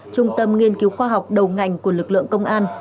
trung tâm nghiên cứu khoa học đầu ngành của lực lượng công an